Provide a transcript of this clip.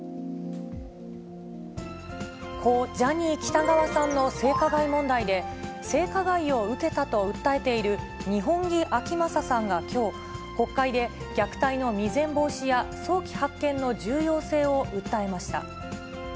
故・ジャニー喜多川さんの性加害問題で、性加害を受けたと訴えている二本樹顕理さんがきょう国会で、未然防止や早期発見の重要性を訴えました。